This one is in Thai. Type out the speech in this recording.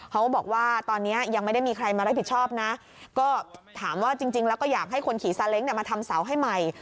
เขาบอกว่าตอนนี้ยังไม่ได้มีใครมารับผิดชอบนะก็ถามว่าจริงแล้วก็อยากให้คนขี่ซาเล้งมาทำเสาให้ใหม่